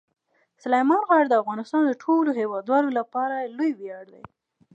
سلیمان غر د افغانستان د ټولو هیوادوالو لپاره لوی ویاړ دی.